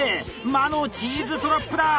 魔のチーズトラップだ！